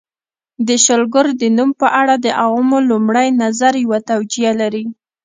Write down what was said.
د شلګر د نوم په اړه د عوامو لومړی نظر یوه توجیه لري